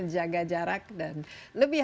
jaga jarak dan lebih